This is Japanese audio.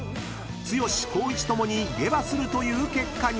［剛・光一ともに下馬するという結果に］